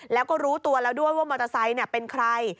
แล้วก็รู้ตัวแล้วด้วยว่ามอเตอร์ไซค์เป็นใคร